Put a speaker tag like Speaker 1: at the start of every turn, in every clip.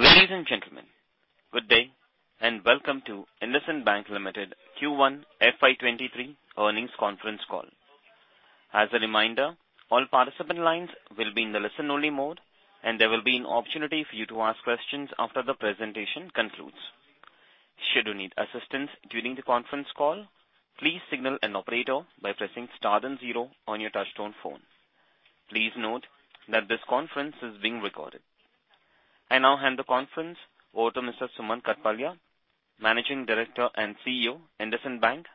Speaker 1: Ladies and gentlemen, good day, and welcome to IndusInd Bank Limited Q1 FY 2023 earnings conference call. As a reminder, all participant lines will be in the listen only mode, and there will be an opportunity for you to ask questions after the presentation concludes. Should you need assistance during the conference call, please signal an operator by pressing star then zero on your touchtone phone. Please note that this conference is being recorded. I now hand the conference over to Mr. Sumant Kathpalia, Managing Director and CEO, IndusInd Bank.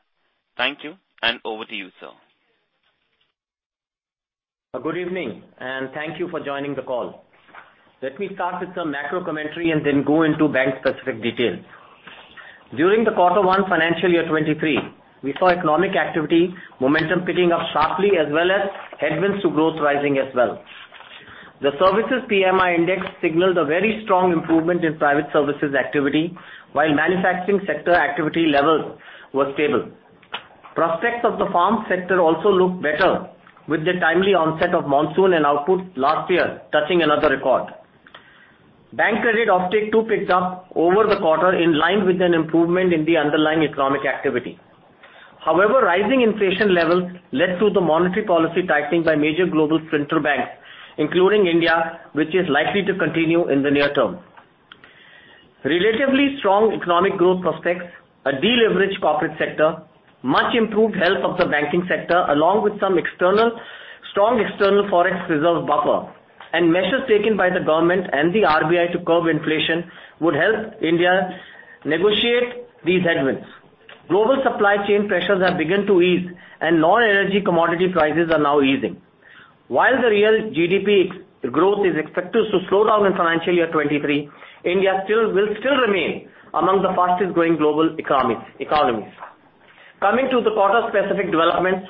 Speaker 1: Thank you and over to you, sir.
Speaker 2: Good evening, and thank you for joining the call. Let me start with some macro commentary and then go into bank specific details. During the quarter one financial year 2023, we saw economic activity momentum picking up sharply as well as headwinds to growth rising as well. The services PMI index signaled a very strong improvement in private services activity while manufacturing sector activity levels were stable. Prospects of the farm sector also looked better with the timely onset of monsoon and output last year touching another record. Bank credit offtake too picked up over the quarter in line with an improvement in the underlying economic activity. However, rising inflation levels led to the monetary policy tightening by major global central banks, including India, which is likely to continue in the near term. Relatively strong economic growth prospects, a deleveraged corporate sector, much improved health of the banking sector along with some external forex reserve buffer and measures taken by the government and the RBI to curb inflation would help India negotiate these headwinds. Global supply chain pressures have begun to ease and non-energy commodity prices are now easing. While the real GDP growth is expected to slow down in financial year 2023, India still will remain among the fastest growing global economies. Coming to the quarter-specific developments.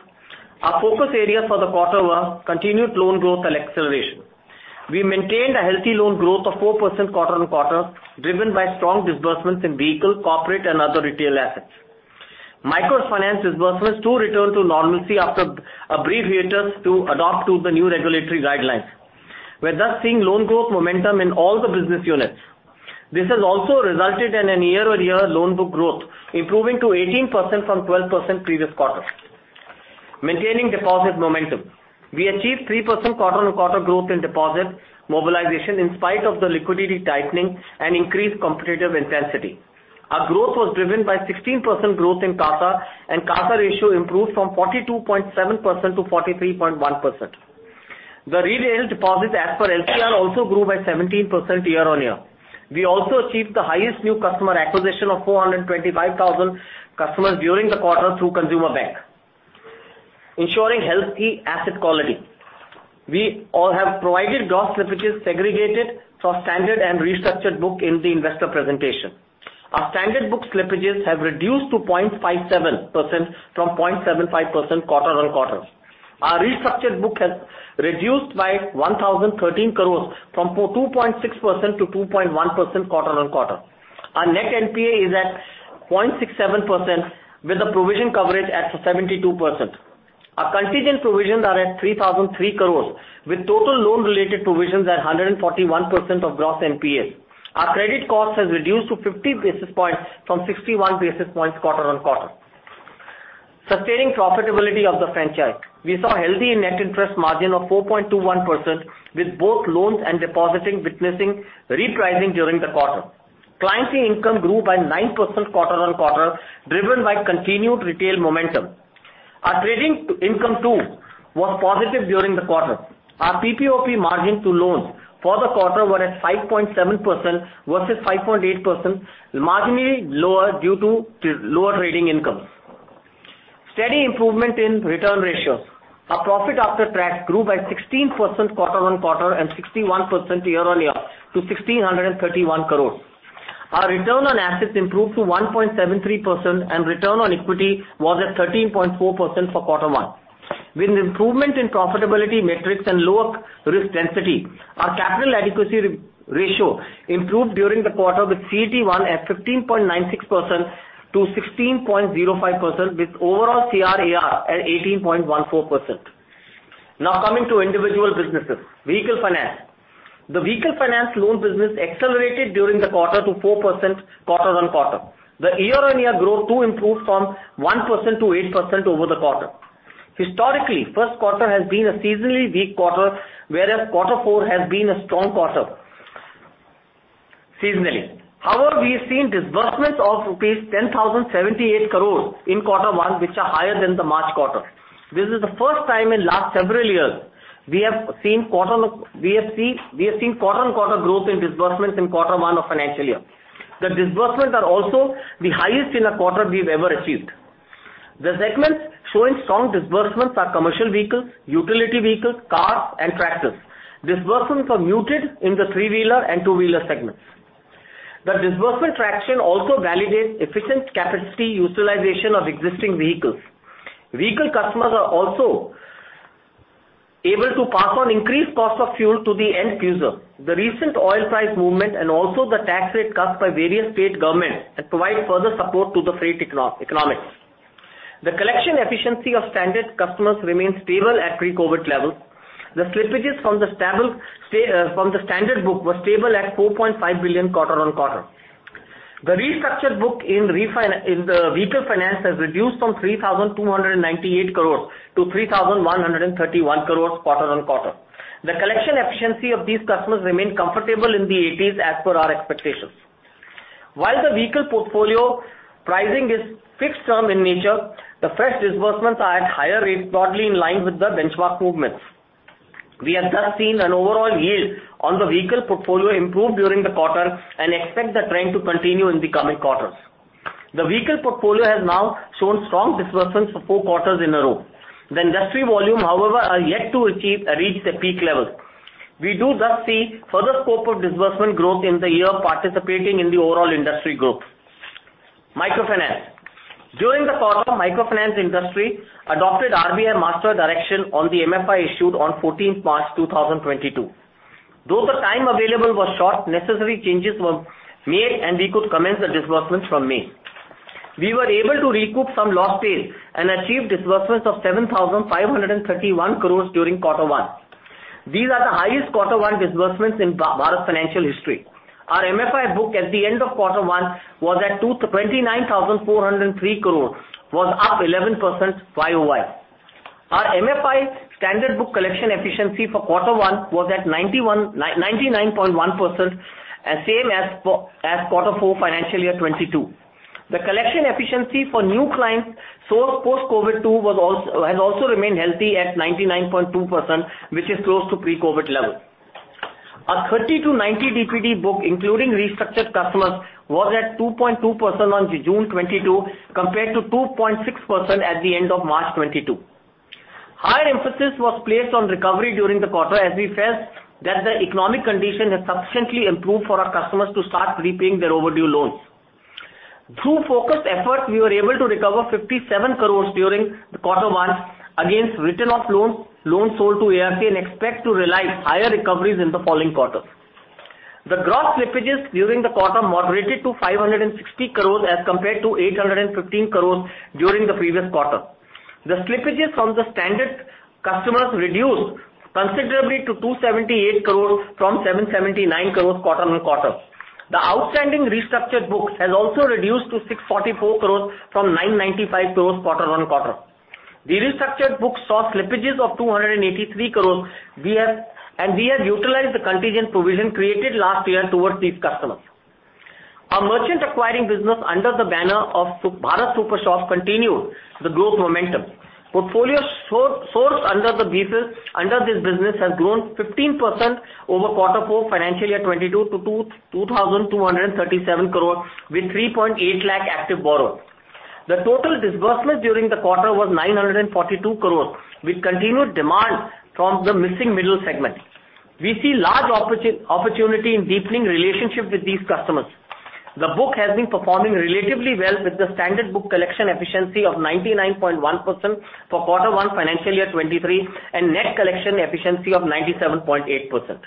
Speaker 2: Our focus areas for the quarter were continued loan growth and acceleration. We maintained a healthy loan growth of 4% quarter-on-quarter, driven by strong disbursements in vehicle, corporate and other retail assets. Microfinance disbursements too returned to normalcy after a brief hiatus to adapt to the new regulatory guidelines. We're thus seeing loan growth momentum in all the business units. This has also resulted in a year-on-year loan book growth improving to 18% from 12% previous quarter. Maintaining deposit momentum. We achieved 3% quarter-on-quarter growth in deposit mobilization in spite of the liquidity tightening and increased competitive intensity. Our growth was driven by 16% growth in CASA, and CASA ratio improved from 42.7% to 43.1%. The retail deposits as per LCR also grew by 17% year on year. We also achieved the highest new customer acquisition of 425,000 customers during the quarter through consumer bank. Ensuring healthy asset quality. We all have provided gross slippages segregated for standard and restructured book in the investor presentation. Our standard book slippages have reduced to 0.57% from 0.75% quarter on quarter. Our restructured book has reduced by 1,013 crore from 2.6% to 2.1% quarter-on-quarter. Our net NPA is at 0.67% with a provision coverage at 72%. Our contingent provisions are at 3,003 crore with total loan-related provisions at 141% of gross NPAs. Our credit cost has reduced to 50 basis points from 61 basis points quarter-on-quarter. Sustaining profitability of the franchise. We saw a healthy net interest margin of 4.21% with both loans and deposits witnessing repricing during the quarter. Client fee income grew by 9% quarter-on-quarter, driven by continued retail momentum. Our trading income too was positive during the quarter. Our PPOP margin to loans for the quarter was at 5.7% versus 5.8%, marginally lower due to lower trading income. Steady improvement in return ratios. Our profit after tax grew by 16% quarter-on-quarter and 61% year-on-year to 1,631 crore. Our return on assets improved to 1.73% and return on equity was at 13.4% for Q1. With improvement in profitability metrics and lower risk density, our capital adequacy ratio improved during the quarter with CET1 at 15.96%-16.05% with overall CRAR at 18.14%. Now coming to individual businesses. Vehicle finance. The vehicle finance loan business accelerated during the quarter to 4% quarter-on-quarter. The year-on-year growth too improved from 1% to 8% over the quarter. Historically, first quarter has been a seasonally weak quarter, whereas quarter four has been a strong quarter seasonally. However, we have seen disbursements of rupees 10,078 crores in quarter one, which are higher than the March quarter. This is the first time in last several years we have seen quarter-on-quarter growth in disbursements in quarter one of financial year. The disbursements are also the highest in a quarter we've ever achieved. The segments showing strong disbursements are commercial vehicles, utility vehicles, cars and tractors. Disbursements are muted in the three-wheeler and two-wheeler segments. The disbursement traction also validates efficient capacity utilization of existing vehicles. Vehicle customers are also able to pass on increased cost of fuel to the end user. The recent oil price movement and also the tax rate cut by various state governments has provided further support to the freight economics. The collection efficiency of standard customers remains stable at pre-COVID levels. The slippages from the standard book were stable at 4.5 billion quarter-over-quarter. The restructured book in the vehicle finance has reduced from 3,298 crores to 3,131 crores quarter-over-quarter. The collection efficiency of these customers remain comfortable in the 80s as per our expectations. While the vehicle portfolio pricing is fixed term in nature, the fresh disbursements are at higher rates, broadly in line with the benchmark movements. We have thus seen an overall yield on the vehicle portfolio improve during the quarter and expect the trend to continue in the coming quarters. The vehicle portfolio has now shown strong disbursements for four quarters in a row. The industry volume, however, are yet to achieve or reach their peak levels. We do thus see further scope of disbursement growth in the year, participating in the overall industry growth. Microfinance. During the quarter, microfinance industry adopted RBI Master Direction on the MFI issued on 14 March 2022. Though the time available was short, necessary changes were made, and we could commence the disbursements from May. We were able to recoup some lost sales and achieve disbursements of 7,531 crores during quarter one. These are the highest quarter one disbursements in Bharat Financial history. Our MFI book at the end of quarter one was at 229,403 crores, was up 11% YoY. Our MFI standard book collection efficiency for quarter one was at 99.1%, and same as for quarter four financial year 2022. The collection efficiency for new clients sourced post-COVID too has also remained healthy at 99.2%, which is close to pre-COVID levels. Our 30-90 DPD book, including restructured customers, was at 2.2% on June 2022, compared to 2.6% at the end of March 2022. High emphasis was placed on recovery during the quarter as we felt that the economic condition had sufficiently improved for our customers to start repaying their overdue loans. Through focused efforts, we were able to recover 57 crore during quarter one against written-off loans sold to ARC, and expect to realize higher recoveries in the following quarters. The gross slippages during the quarter moderated to 560 crores as compared to 815 crores during the previous quarter. The slippages from the standard customers reduced considerably to 278 crores from 779 crores quarter-on-quarter. The outstanding restructured books has also reduced to 644 crores from 995 crores quarter-on-quarter. The restructured books saw slippages of 283 crores. We have utilized the contingent provision created last year towards these customers. Our merchant acquiring business under the banner of Bharat Superstore continued the growth momentum. Portfolios sourced under the business, under this business has grown 15% over quarter four financial year 2022 to 2,237 crores with 3.8 lakh active borrowers. The total disbursements during the quarter was 942 crore, with continued demand from the missing middle segment. We see large opportunity in deepening relationship with these customers. The book has been performing relatively well with the standard book collection efficiency of 99.1% for quarter one financial year 2023, and net collection efficiency of 97.8%.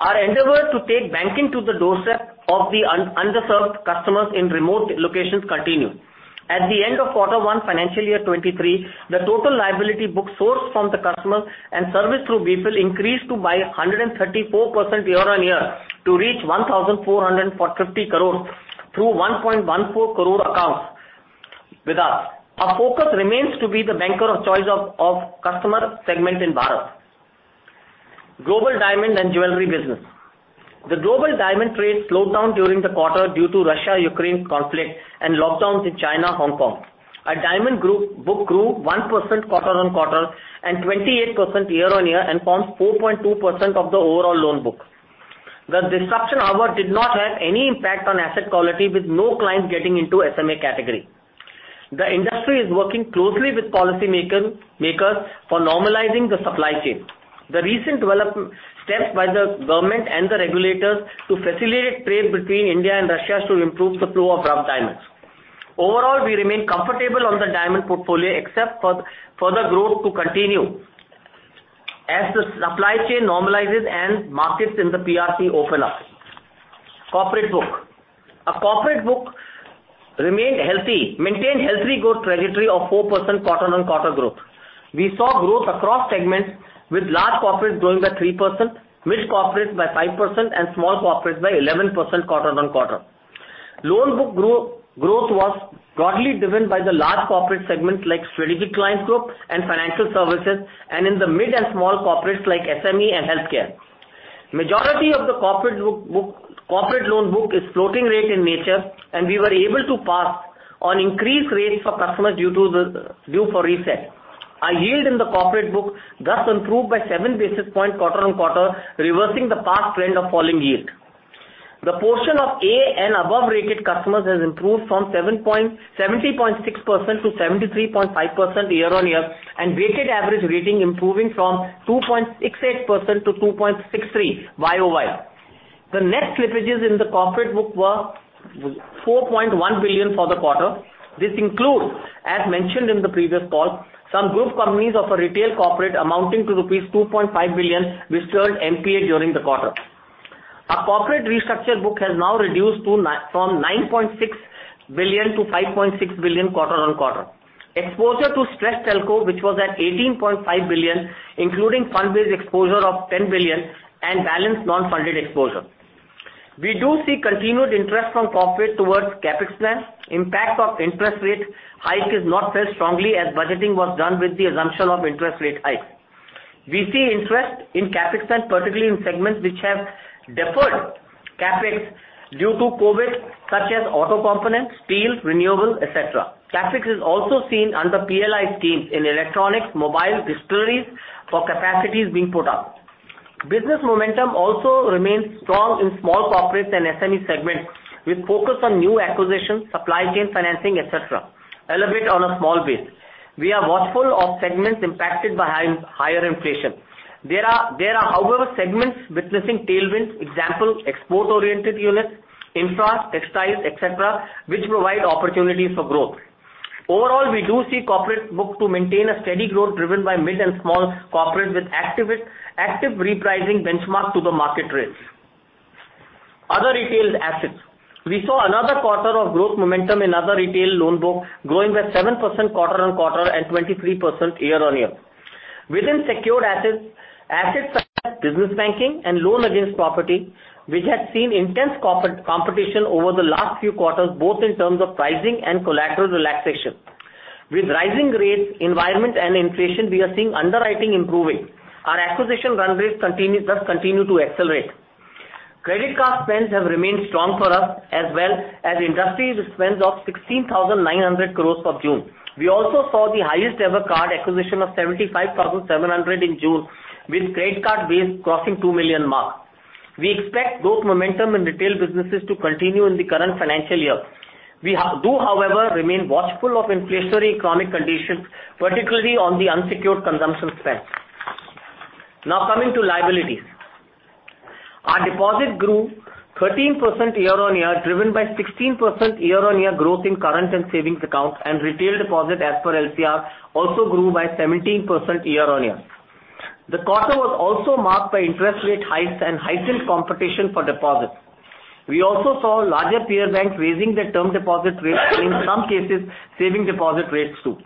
Speaker 2: Our endeavors to take banking to the doorstep of the underserved customers in remote locations continue. At the end of quarter one financial year 2023, the total liability book sourced from the customers and serviced through BFIL increased by 134% year-on-year to reach 1,450 crore through 1.14 crore accounts with us. Our focus remains to be the banker of choice of customer segment in Bharat. Global diamond and jewelry business. The global diamond trade slowed down during the quarter due to Russia-Ukraine conflict and lockdowns in China/Hong Kong. Our diamond group book grew 1% quarter-on-quarter and 28% year-on-year and forms 4.2% of the overall loan book. The disruption, however, did not have any impact on asset quality, with no clients getting into SMA category. The industry is working closely with policymakers, makers for normalizing the supply chain. The recent steps by the government and the regulators to facilitate trade between India and Russia to improve the flow of rough diamonds. Overall, we remain comfortable on the diamond portfolio for the growth to continue as the supply chain normalizes and markets in the PRC open up. Corporate book. Our corporate book remained healthy, maintained healthy growth trajectory of 4% quarter-on-quarter growth. We saw growth across segments with large corporates growing by 3%, mid corporates by 5%, and small corporates by 11% quarter-on-quarter. Loan book growth was broadly driven by the large corporate segments like strategic client group and financial services, and in the mid and small corporates like SME and healthcare. Majority of the corporate loan book is floating rate in nature, and we were able to pass on increased rates for customers due for reset. Our yield in the corporate book thus improved by 7 basis points quarter-on-quarter, reversing the past trend of falling yield. The portion of A and above rated customers has improved from 70.6% to 73.5% year-over-year, and weighted average rating improving from 2.68% to 2.63% YoY. The net slippages in the corporate book were 4.1 billion for the quarter. This includes, as mentioned in the previous call, some group companies of a retail corporate amounting to rupees 2.5 billion, which turned NPA during the quarter. Our corporate restructure book has now reduced from 9.6 billion to 5.6 billion quarter-over-quarter. Exposure to stressed telco, which was at 18.5 billion, including fund-based exposure of 10 billion and balance non-funded exposure. We do see continued interest from corporate towards CapEx plans. Impact of interest rate hike is not felt strongly as budgeting was done with the assumption of interest rate hikes. We see interest in CapEx plans, particularly in segments which have deferred CapEx due to COVID, such as auto components, steel, renewable, et cetera. CapEx is also seen under PLI schemes in electronics, mobile, distilleries for capacities being put up. Business momentum also remains strong in small corporates and SME segments, with focus on new acquisitions, supply chain financing, et cetera, albeit on a small base. We are watchful of segments impacted by higher inflation. There are however segments witnessing tailwinds, example export-oriented units, infra, textiles, et cetera, which provide opportunities for growth. Overall, we do see corporate book to maintain a steady growth driven by mid and small corporate with active repricing benchmark to the market rates. Other retail assets. We saw another quarter of growth momentum in other retail loan book growing by 7% quarter-on-quarter and 23% year-on-year. Within secured assets business banking and loan against property, which has seen intense competition over the last few quarters, both in terms of pricing and collateral relaxation. With rising rates environment and inflation, we are seeing underwriting improving. Our acquisition run rates continue to accelerate. Credit card spends have remained strong for us as well as industry spends of 16,900 crore for June. We also saw the highest ever card acquisition of 75,700 in June with credit card base crossing two million mark. We expect growth momentum in retail businesses to continue in the current financial year. We do, however, remain watchful of inflationary economic conditions, particularly on the unsecured consumption spend. Now coming to liabilities. Our deposit grew 13% year-on-year, driven by 16% year-on-year growth in current and savings accounts and retail deposit as per LCR also grew by 17% year-on-year. The quarter was also marked by interest rate hikes and heightened competition for deposits. We also saw larger peer banks raising their term deposit rates, in some cases savings deposit rates too.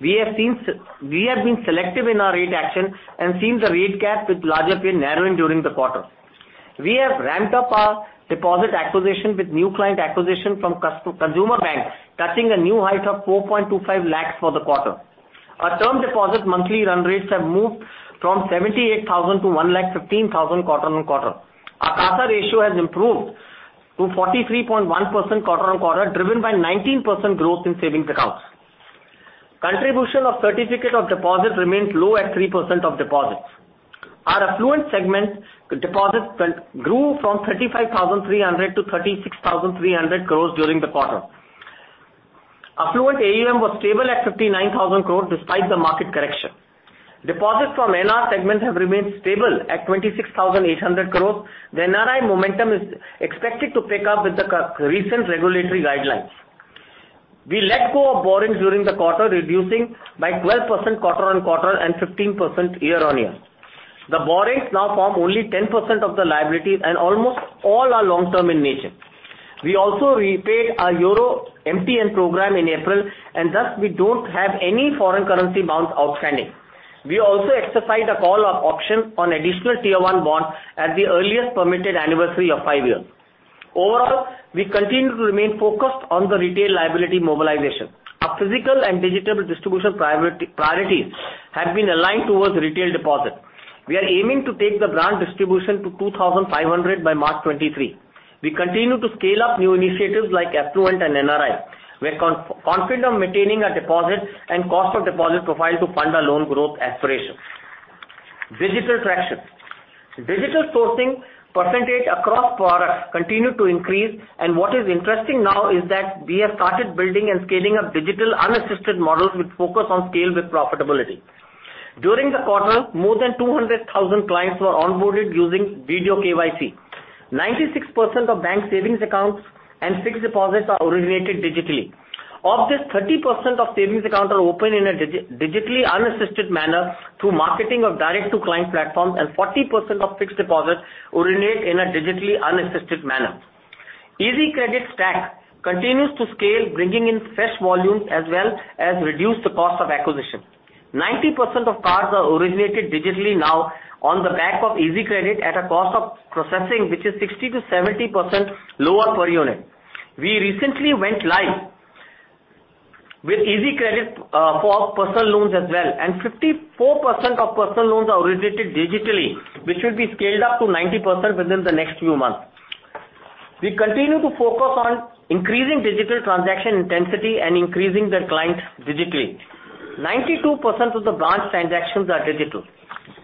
Speaker 2: We have been selective in our rate action and seen the rate gap with larger peer narrowing during the quarter. We have ramped up our deposit acquisition with new client acquisition from consumer banks, touching a new height of 4.25 lakh for the quarter. Our term deposit monthly run rates have moved from 78,000 to 1,15,000 quarter-on-quarter. Our CASA ratio has improved to 43.1% quarter-on-quarter, driven by 19% growth in savings accounts. Contribution of certificate of deposit remains low at 3% of deposits. Our affluent segment deposits grew from 35,300 crore to 36,300 crore during the quarter. Affluent AUM was stable at 59,000 crore despite the market correction. Deposits from NR segments have remained stable at 26,800 crore. The NRI momentum is expected to pick up with the recent regulatory guidelines. We let go of borrowings during the quarter, reducing by 12% quarter-on-quarter and 15% year-on-year. The borrowings now form only 10% of the liabilities and almost all are long-term in nature. We also repaid our Euro MTN program in April and thus we don't have any foreign currency bonds outstanding. We also exercised a call option on additional tier-one bond at the earliest permitted anniversary of five years. Overall, we continue to remain focused on the retail liability mobilization. Our physical and digital distribution priorities have been aligned towards retail deposit. We are aiming to take the branch distribution to 2,500 by March 2023. We continue to scale up new initiatives like Affluent and NRI. We're confident of maintaining our deposit and cost of deposit profile to fund our loan growth aspirations. Digital traction. Digital sourcing percentage across products continues to increase and what is interesting now is that we have started building and scaling up digital unassisted models which focus on scale with profitability. During the quarter, more than 200,000 clients were onboarded using video KYC. 96% of bank savings accounts and fixed deposits are originated digitally. Of this, 30% of savings accounts are opened in a digitally unassisted manner through marketing or direct to client platforms and 40% of fixed deposits originate in a digitally unassisted manner. Easy credit stack continues to scale, bringing in fresh volumes as well as reduce the cost of acquisition. 90% of cards are originated digitally now on the back of easy credit at a cost of processing which is 60%-70% lower per unit. We recently went live with easy credit for personal loans as well, and 54% of personal loans are originated digitally, which will be scaled up to 90% within the next few months. We continue to focus on increasing digital transaction intensity and increasing the clients digitally. 92% of the branch transactions are digital.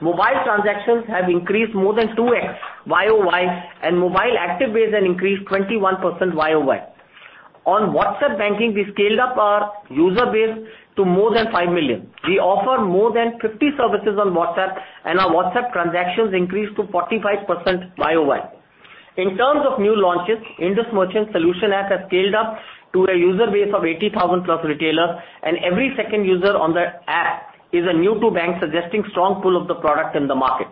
Speaker 2: Mobile transactions have increased more than 2x YoY and mobile active base has increased 21% YoY. On WhatsApp banking, we scaled up our user base to more than five million. We offer more than 50 services on WhatsApp and our WhatsApp transactions increased 45% YoY. In terms of new launches, Indus Merchant Solutions app has scaled up to a user base of 80,000+ retailers and every second user on the app is a new-to-bank suggesting strong pull of the product in the market.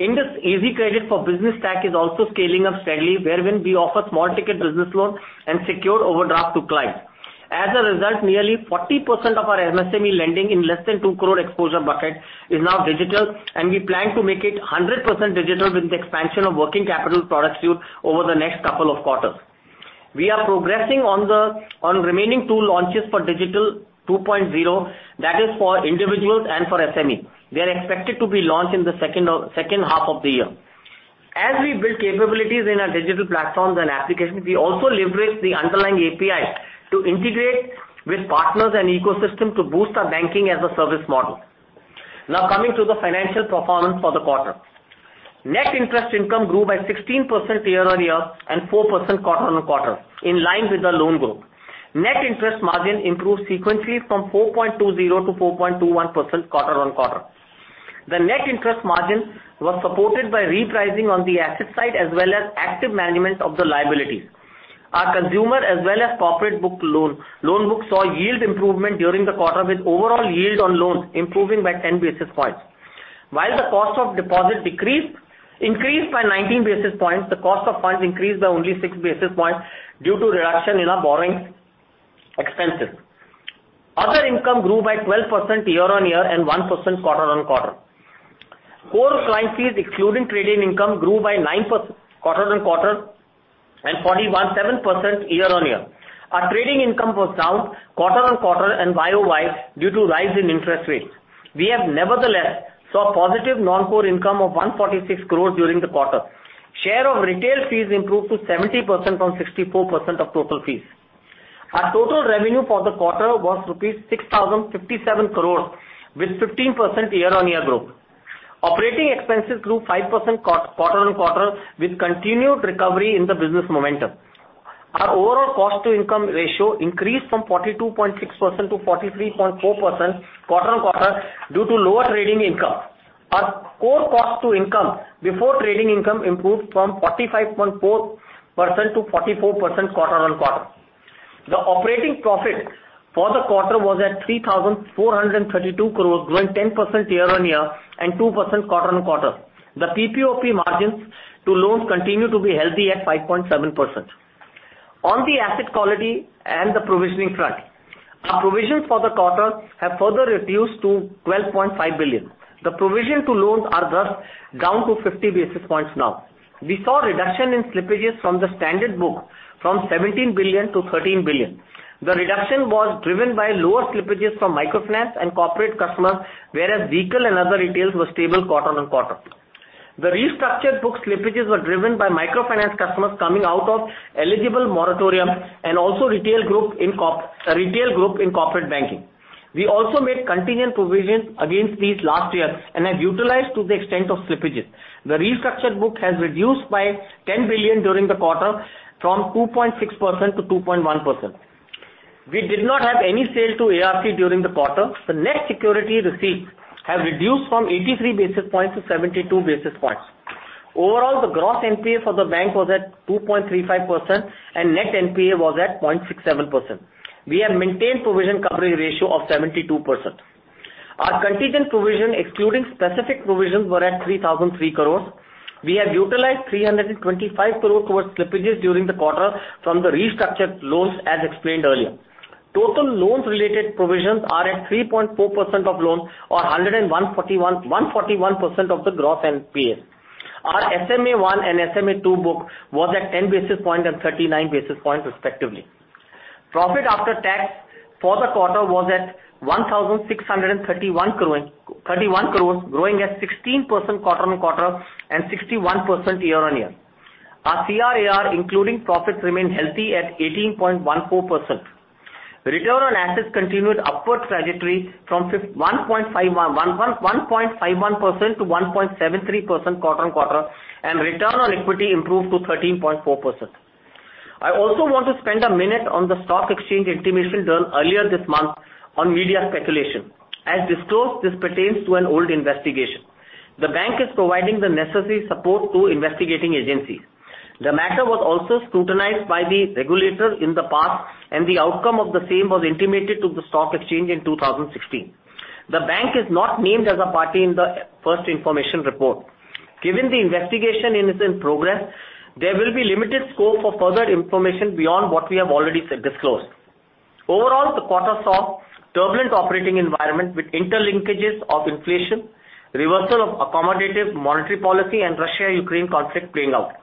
Speaker 2: IndusEasyCredit for business stack is also scaling up steadily, wherein we offer small ticket business loans and secured overdraft to clients. As a result, nearly 40% of our MSME lending in less than 2 crore exposure bucket is now digital, and we plan to make it 100% digital with the expansion of working capital product suite over the next couple of quarters. We are progressing on the remaining two launches for Digital 2.0. That is for individuals and for SME. They are expected to be launched in the second half of the year. As we build capabilities in our digital platforms and applications, we also leverage the underlying API to integrate with partners and ecosystem to boost our banking-as-a-service model. Now coming to the financial performance for the quarter. Net interest income grew by 16% year-on-year and 4% quarter-on-quarter, in line with the loan growth. Net interest margin improved sequentially from 4.20% to 4.21% quarter-on-quarter. The net interest margin was supported by repricing on the asset side as well as active management of the liabilities. Our consumer as well as corporate book loan book saw yield improvement during the quarter, with overall yield on loans improving by 10 basis points. While the cost of deposit increased by 19 basis points, the cost of funds increased by only 6 basis points due to reduction in our borrowing expenses. Other income grew by 12% year-on-year and 1% quarter-on-quarter. Core client fees, excluding trading income, grew by 9% quarter-on-quarter and 41.7% year-on-year. Our trading income was down quarter-on-quarter and year-over-year due to rise in interest rates. We have nevertheless saw positive non-core income of 146 crore during the quarter. Share of retail fees improved to 70% from 64% of total fees. Our total revenue for the quarter was 6,057 crores rupees with 15% year-on-year growth. Operating expenses grew 5% quarter-on-quarter with continued recovery in the business momentum. Our overall cost-to-income ratio increased from 42.6% to 43.4% quarter-on-quarter due to lower trading income. Our core cost-to-income before trading income improved from 45.4% to 44% quarter-on-quarter. The operating profit for the quarter was at 3,432 crores, growing 10% year-on-year and 2% quarter-on-quarter. The PPOP margins to loans continue to be healthy at 5.7%. On the asset quality and the provisioning front, our provisions for the quarter have further reduced to 12.5 billion. The provision to loans are thus down to 50 basis points now. We saw reduction in slippages from the standard book from 17 billion to 13 billion. The reduction was driven by lower slippages from microfinance and corporate customers, whereas vehicle and other retails were stable quarter-on-quarter. The restructured book slippages were driven by microfinance customers coming out of eligible moratorium and also retail group in corporate banking. We also made contingent provisions against these last year and have utilized to the extent of slippages. The restructured book has reduced by 10 billion during the quarter from 2.6% to 2.1%. We did not have any sale to ARC during the quarter. The net security receipts have reduced from 83 basis points to 72 basis points. Overall, the gross NPA for the bank was at 2.35%, and net NPA was at 0.67%. We have maintained provision coverage ratio of 72%. Our contingent provision, excluding specific provisions, were at 3,003 crore. We have utilized 325 crore towards slippages during the quarter from the restructured loans, as explained earlier. Total loans related provisions are at 3.4% of loans or 141% of the gross NPAs. Our SMA1 and SMA2 book was at 10 basis points and 39 basis points respectively. Profit after tax for the quarter was at 1,631 crore, growing at 16% quarter-over-quarter and 61% year-over-year. Our CRAR, including profits, remained healthy at 18.14%. Return on assets continued upward trajectory from 1.51% to 1.73% quarter-on-quarter, and return on equity improved to 13.4%. I also want to spend a minute on the stock exchange intimation done earlier this month on media speculation. As disclosed, this pertains to an old investigation. The bank is providing the necessary support to investigating agencies. The matter was also scrutinized by the regulator in the past, and the outcome of the same was intimated to the stock exchange in 2016. The bank is not named as a party in the first information report. Given the investigation is in progress, there will be limited scope for further information beyond what we have already disclosed. Overall, the quarter saw turbulent operating environment with interlinkages of inflation, reversal of accommodative monetary policy and Russia-Ukraine conflict playing out.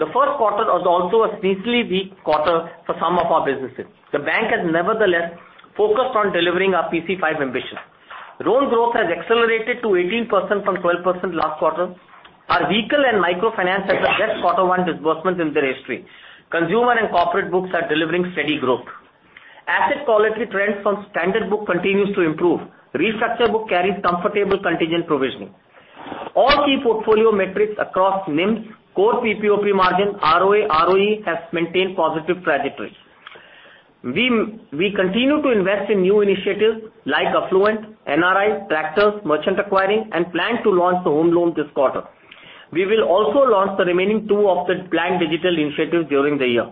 Speaker 2: The first quarter was also a seasonally weak quarter for some of our businesses. The bank has nevertheless focused on delivering our PC-5 ambition. Loan growth has accelerated to 18% from 12% last quarter. Our vehicle and microfinance had their best quarter one disbursement in their history. Consumer and corporate books are delivering steady growth. Asset quality trends from standard book continues to improve. Restructure book carries comfortable contingent provisioning. All key portfolio metrics across NIMS, core PPOP margin, ROA, ROE, have maintained positive trajectory. We continue to invest in new initiatives like Affluent, NRI, tractors, merchant acquiring, and plan to launch the home loan this quarter. We will also launch the remaining two of the planned digital initiatives during the year.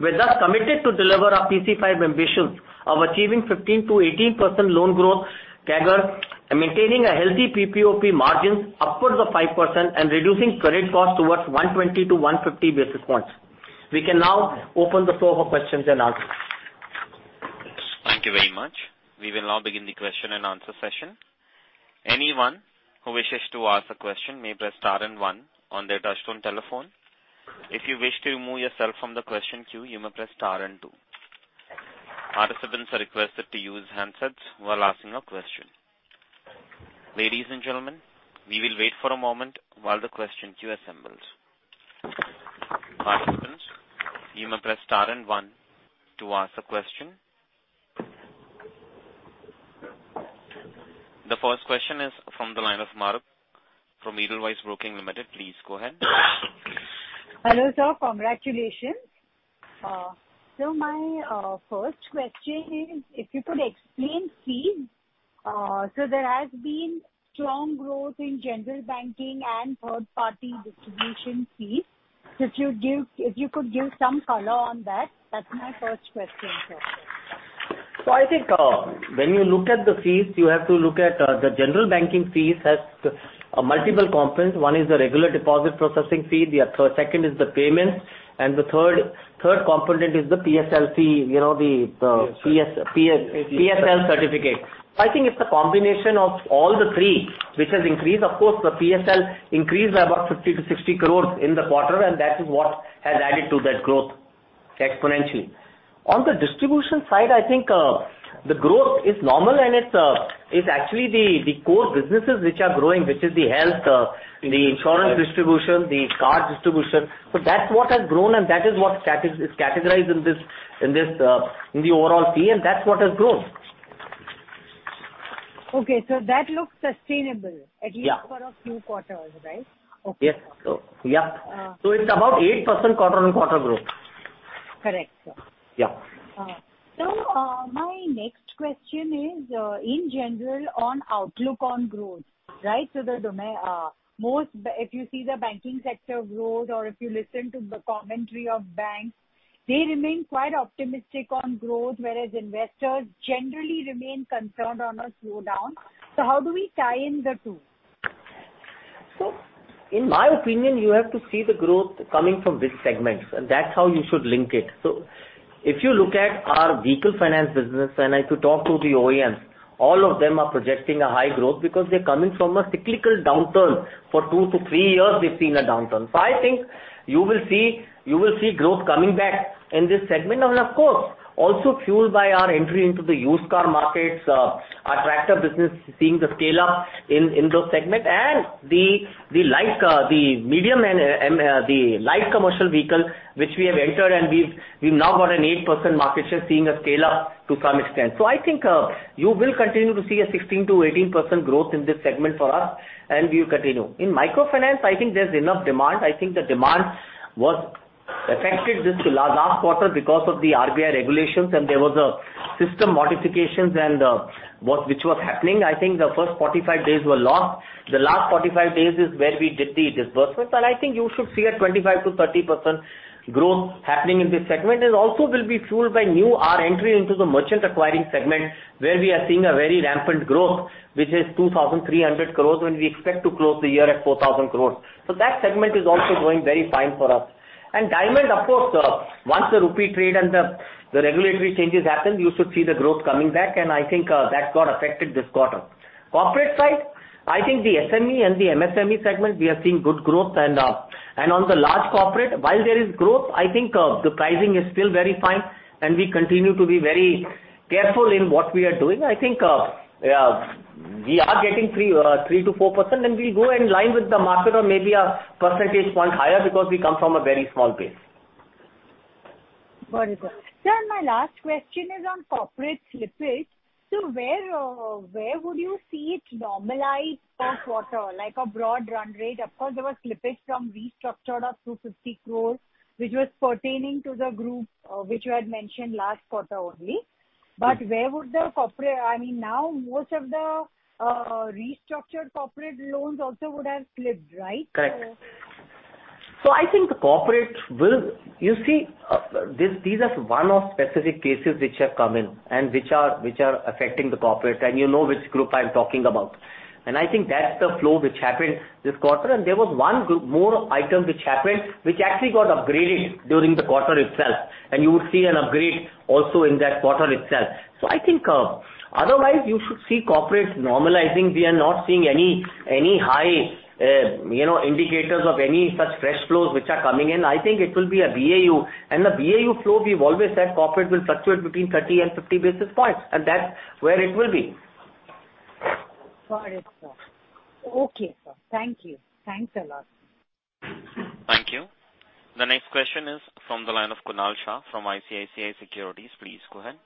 Speaker 2: We're thus committed to deliver our PC-5 ambitions of achieving 15%-18% loan growth CAGR and maintaining a healthy PPOP margin upwards of 5% and reducing credit costs towards 120-150 basis points. We can now open the floor for questions and answers.
Speaker 1: Thank you very much. We will now begin the question and answer session. Anyone who wishes to ask a question may press star and one on their touch-tone telephone. If you wish to remove yourself from the question queue, you may press star and two. Participants are requested to use handsets while asking a question. Ladies and gentlemen, we will wait for a moment while the question queue assembles. Participants, you may press star and one to ask a question. The first question is from the line of Maru from Edelweiss Broking Limited. Please go ahead.
Speaker 3: Hello, sir. Congratulations. My first question is if you could explain fees. There has been strong growth in general banking and third-party distribution fees. If you could give some color on that. That's my first question, sir.
Speaker 2: I think, when you look at the fees, you have to look at the general banking fees has multiple components. One is the regular deposit processing fee. The second is the payments. The third component is the PSLC. You know the-
Speaker 3: Yes, sir.
Speaker 2: The PSLC. I think it's a combination of all the three which has increased. Of course, the PSL increased about 50 crores-60 crores in the quarter, and that is what has added to that growth exponentially. On the distribution side, I think the growth is normal, and it's actually the core businesses which are growing, which is the health, the insurance distribution, the card distribution. That's what has grown, and that is what is categorized in this, in the overall fee, and that's what has grown.
Speaker 3: Okay. That looks sustainable.
Speaker 2: Yeah.
Speaker 3: At least for a few quarters, right? Okay.
Speaker 2: Yes. Yeah. It's about 8% quarter-on-quarter growth.
Speaker 3: Correct, sir.
Speaker 2: Yeah.
Speaker 3: My next question is, in general on outlook on growth, right? Most if you see the banking sector growth or if you listen to the commentary of banks, they remain quite optimistic on growth, whereas investors generally remain concerned on a slowdown. How do we tie in the two?
Speaker 2: In my opinion, you have to see the growth coming from this segment. That's how you should link it. If you look at our vehicle finance business, and if you talk to the OEMs, all of them are projecting a high growth because they're coming from a cyclical downturn. For two to three years, they've seen a downturn. I think you will see growth coming back in this segment. Of course, also fueled by our entry into the used car markets, our tractor business seeing the scale-up in those segments and the light commercial vehicle which we have entered, and we've now got an 8% market share seeing a scale-up to some extent. I think you will continue to see a 16%-18% growth in this segment for us, and we will continue. In microfinance, I think there's enough demand. I think the demand was affected this last quarter because of the RBI regulations and there was system modifications which was happening. I think the first 45 days were lost. The last 45 days is where we did the disbursements, and I think you should see a 25%-30% growth happening in this segment. It also will be fueled by our new entry into the merchant acquiring segment, where we are seeing a very rampant growth, which is 2,300 crores, and we expect to close the year at 4,000 crores. That segment is also growing very fine for us. Diamond, of course, once the rupee trade and the regulatory changes happen, you should see the growth coming back. I think that got affected this quarter. Corporate side, I think the SME and the MSME segment, we are seeing good growth. On the large corporate, while there is growth, I think the pricing is still very fine and we continue to be very careful in what we are doing. I think we are getting 3%-4%, and we'll go in line with the market or maybe a percentage point higher because we come from a very small base.
Speaker 3: Got it, sir. Sir, my last question is on corporate slippage. Where would you see it normalize per quarter, like a broad run rate? Of course, there was slippage from restructured of 250 crores, which was pertaining to the group, which you had mentioned last quarter only. Where would the corporate I mean, now most of the restructured corporate loans also would have slipped, right?
Speaker 2: Correct. I think the corporate will. You see, this, these are one-off specific cases which have come in and which are affecting the corporate. You know which group I'm talking about. I think that's the flow which happened this quarter. There was one more item which happened which actually got upgraded during the quarter itself. You would see an upgrade also in that quarter itself. I think otherwise you should see corporates normalizing. We are not seeing any high, you know, indicators of any such fresh flows which are coming in. I think it will be a BAU. The BAU flow, we've always said corporate will fluctuate between 30 and 50 basis points, and that's where it will be.
Speaker 3: Got it, sir. Okay, sir. Thank you. Thanks a lot.
Speaker 1: Thank you. The next question is from the line of Kunal Shah from ICICI Securities. Please go ahead.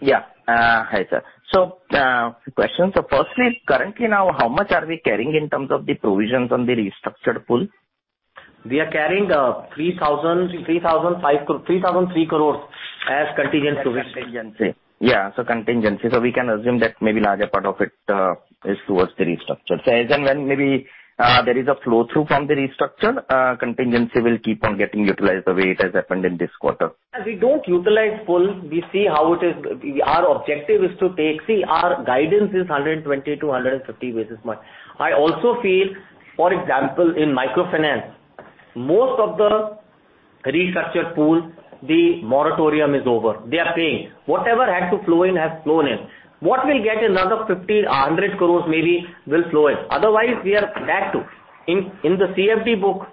Speaker 4: Yeah. Hi, sir. Few questions. Firstly, currently now, how much are we carrying in terms of the provisions on the restructured pool?
Speaker 2: We are carrying 3,003 crore as contingency.
Speaker 4: Contingency.
Speaker 2: Contingency. We can assume that maybe larger part of it is towards the restructure. As and when maybe, there is a flow through from the restructure, contingency will keep on getting utilized the way it has happened in this quarter. We don't utilize full. Our guidance is 120 to 150 basis points. I also feel, for example, in microfinance, most of the restructured pool, the moratorium is over. They are paying. Whatever had to flow in has flown in. What we'll get is another 50, 100 crores maybe will flow in. In the CFD book,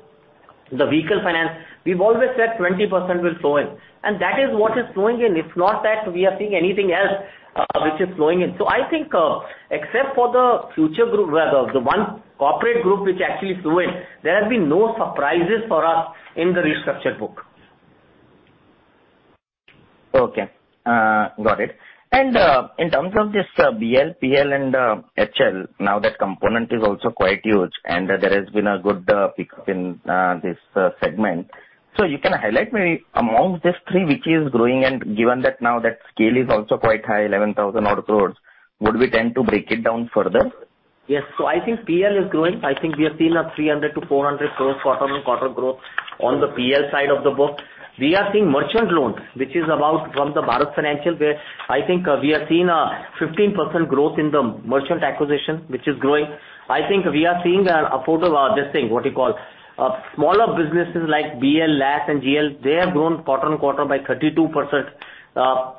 Speaker 2: the vehicle finance, we've always said 20% will flow in, and that is what is flowing in. It's not that we are seeing anything else which is flowing in. I think, except for the Future Group, well, the one corporate group which actually is flowing, there have been no surprises for us in the restructured book.
Speaker 4: Okay. Got it. In terms of this BL, PL and HL, now that component is also quite huge, and there has been a good pickup in this segment. You can highlight maybe amongst these three, which is growing and given that now that scale is also quite high, 11,000-odd crores, would we tend to break it down further?
Speaker 2: Yes. I think PL is growing. I think we have seen 300 crore-400 crore quarter-over-quarter growth on the PL side of the book. We are seeing merchant loans, which is about from the Bharat Financial, where I think we have seen a 15% growth in the merchant acquiring, which is growing. I think we are seeing a portfolio of this thing, what you call, smaller businesses like BL, LAP and GL, they have grown quarter-over-quarter by 32%.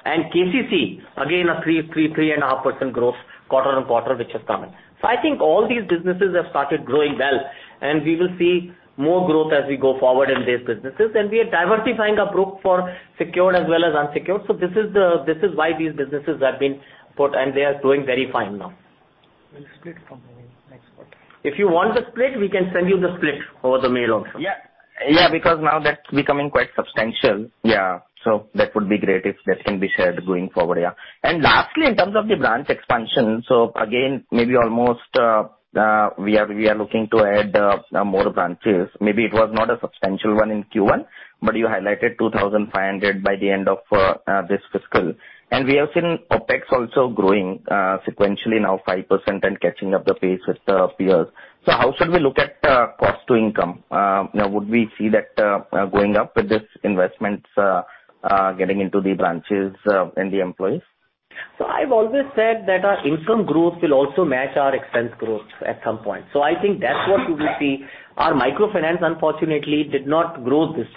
Speaker 2: And KCC, again, a 3%-3.5% growth quarter-over-quarter, which has come in. I think all these businesses have started growing well, and we will see more growth as we go forward in these businesses. We are diversifying our book for secured as well as unsecured. This is the. This is why these businesses have been put and they are doing very fine now.
Speaker 4: We'll split from the next quarter.
Speaker 2: If you want the split, we can send you the split over the mail also.
Speaker 4: Yeah. Yeah, because now that's becoming quite substantial. Yeah. That would be great if that can be shared going forward, yeah. Lastly, in terms of the branch expansion, again, we are looking to add more branches. It was not a substantial one in Q1, but you highlighted 2,500 by the end of this fiscal. We have seen OpEx also growing sequentially now 5% and catching up the pace with the peers. How should we look at cost to income? Would we see that going up with this investments getting into the branches and the employees?
Speaker 2: I've always said that our income growth will also match our expense growth at some point. I think that's what you will see. Our microfinance, unfortunately, did not grow this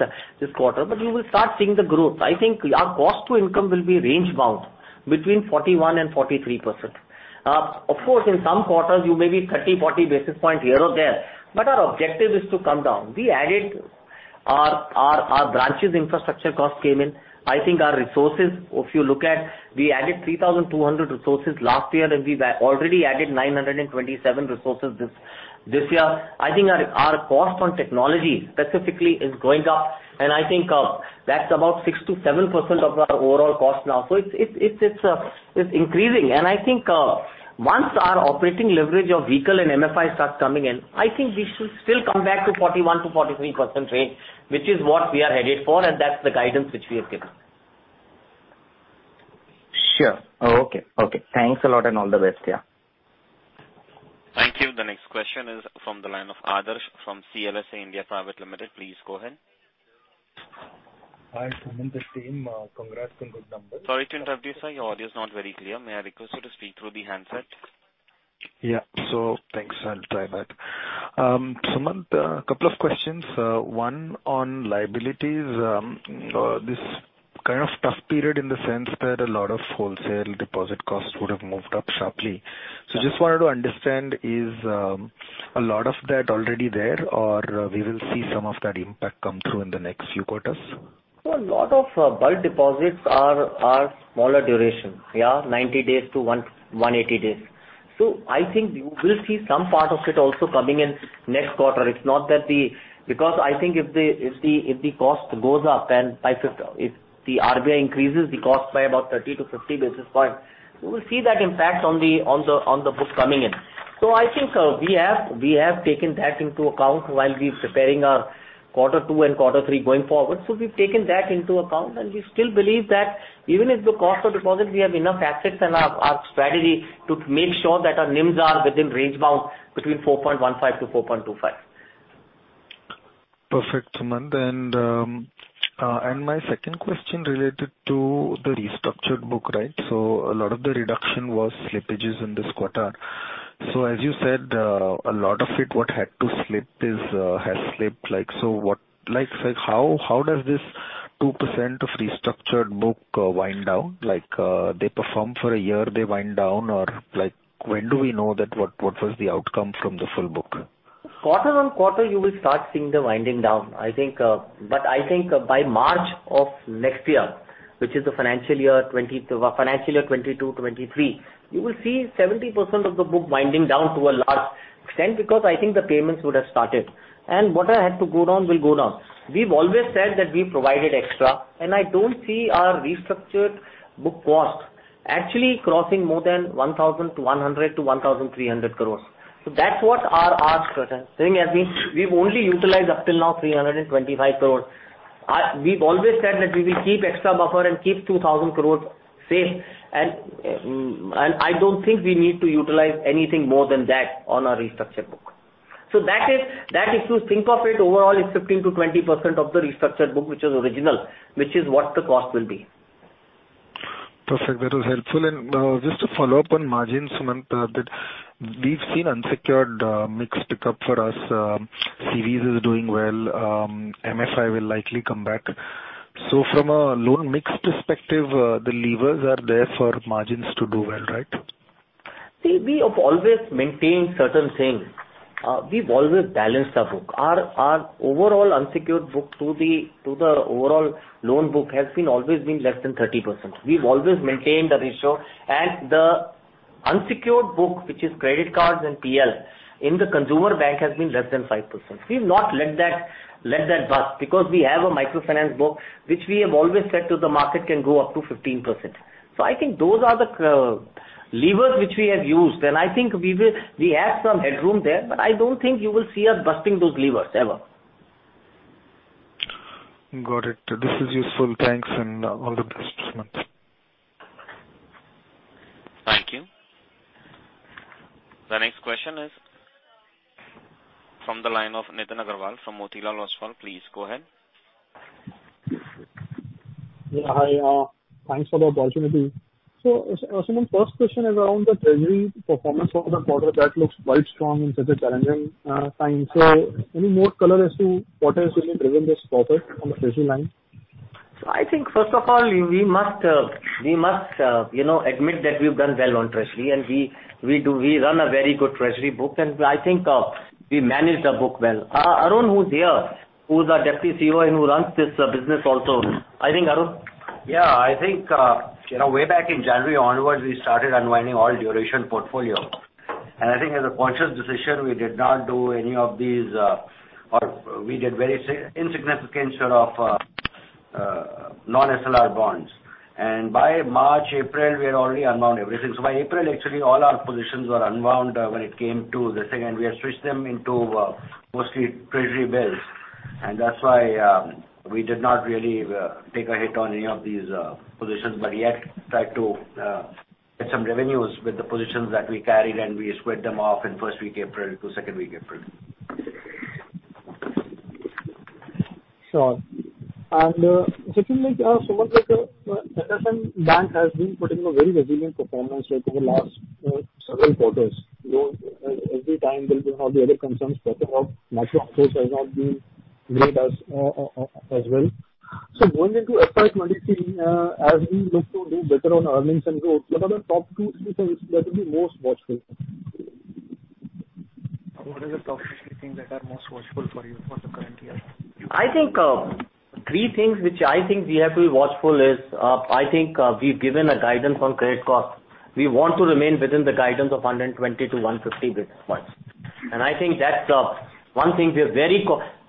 Speaker 2: quarter, but you will start seeing the growth. I think our cost to income will be range bound between 41%-43%. Of course, in some quarters, you may be 30, 40 basis points here or there, but our objective is to come down. We added our branches. Infrastructure cost came in. I think our resources, if you look at we added 3,200 resources last year, and we've already added 927 resources this year. I think our cost on technology specifically is going up. I think that's about 6%-7% of our overall cost now. It's increasing. I think once our operating leverage of vehicle and MFI starts coming in, I think we should still come back to 41%-43% range, which is what we are headed for, and that's the guidance which we have given.
Speaker 4: Sure. Okay. Thanks a lot and all the best. Yeah.
Speaker 1: Thank you. The next question is from the line of Adarsh from CLSA India Private Limited. Please go ahead.
Speaker 5: Hi, Sumant. The same. Congrats on good numbers.
Speaker 1: Sorry to interrupt you, sir. Your audio is not very clear. May I request you to speak through the handset?
Speaker 5: Yeah. Thanks. I'll try that. Sumant, a couple of questions. One on liabilities. This kind of tough period in the sense that a lot of wholesale deposit costs would have moved up sharply. Just wanted to understand, is a lot of that already there or we will see some of that impact come through in the next few quarters?
Speaker 2: A lot of bulk deposits are smaller duration. They are 90 days to 180 days. I think we will see some part of it also coming in next quarter. Because I think if the cost goes up, if the RBI increases the cost by about 30 to 50 basis points, we will see that impact on the book coming in. I think we have taken that into account while we're preparing our quarter two and quarter three going forward. We've taken that into account, and we still believe that even if the cost of deposits, we have enough assets and our strategy to make sure that our NIMs are within range bound between 4.15% to 4.25%.
Speaker 5: Perfect, Sumant. My second question related to the restructured book, right? A lot of the reduction was slippages in this quarter. As you said, a lot of it, what had to slip is, has slipped. Like, what, like, how does this 2% of restructured book wind down? Like, they perform for a year, they wind down or like when do we know that what was the outcome from the full book?
Speaker 2: Quarter on quarter, you will start seeing the winding down. I think, but I think by March of next year, which is the financial year 2022-23, you will see 70% of the book winding down to a large extent because I think the payments would have started. What I had to go down will go down. We've always said that we provided extra, and I don't see our restructured book cost actually crossing more than 1,000 crore-1,300 crore. That's what our ask is. Seeing as we've only utilized up till now 325 crore. We've always said that we will keep extra buffer and keep 2,000 crore safe, and I don't think we need to utilize anything more than that on our restructured book. That is, that if you think of it overall, it's 15%-20% of the restructured book, which is original, which is what the cost will be.
Speaker 5: Perfect. That was helpful. Just to follow up on margins, Sumant, that we've seen unsecured mix pick up for us. CVs is doing well. MFI will likely come back. From a loan mix perspective, the levers are there for margins to do well, right?
Speaker 2: See, we have always maintained certain things. We've always balanced our book. Our overall unsecured book to the overall loan book has always been less than 30%. We've always maintained the ratio and the unsecured book, which is credit cards and PL in the consumer bank has been less than 5%. We've not let that bust because we have a microfinance book, which we have always said to the market can go up to 15%. I think those are the levers which we have used. I think we have some headroom there, but I don't think you will see us busting those levers ever.
Speaker 5: Got it. This is useful. Thanks, and all the best, Sumant.
Speaker 1: Thank you. The next question is from the line of Nitin Aggarwal from Motilal Oswal. Please go ahead.
Speaker 6: Yeah, hi. Thanks for the opportunity. Sumant, first question is around the treasury performance for the quarter that looks quite strong in such a challenging time. Any more color as to what has really driven this profit on the treasury line?
Speaker 2: I think first of all, we must, you know, admit that we've done well on treasury and we run a very good treasury book and I think we manage the book well. Arun, who's here, who's our Deputy CEO and who runs this business also. I think, Arun.
Speaker 7: Yeah, I think, you know, way back in January onwards, we started unwinding all duration portfolio. I think as a conscious decision, we did not do any of these, or we did very insignificant sort of, non-SLR bonds. By March, April, we had already unwound everything. By April, actually, all our positions were unwound when it came to this thing, and we had switched them into, mostly treasury bills. That's why, we did not really take a hit on any of these, positions, but yet tried to, get some revenues with the positions that we carried, and we squared them off in first week April to second week April.
Speaker 6: Sure. Secondly, Sumant, like, IndusInd Bank has been putting a very resilient performance over the last, several quarters. Every time there'll be all the other concerns, but macro factors has not been great as well. Going into FY 2023, as we look to do better on earnings and growth, what are the top two, three things that will be most watchful? What are the top three things that are most watchful for you for the current year?
Speaker 2: I think three things which I think we have to be watchful is. I think we've given a guidance on credit cost. We want to remain within the guidance of 120 to 150 basis points. I think that's one thing.